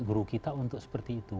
guru kita untuk seperti itu